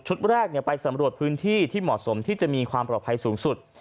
แรกไปสำรวจพื้นที่ที่เหมาะสมที่จะมีความปลอดภัยสูงสุด